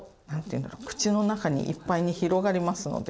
口の中にいっぱいに広がりますので。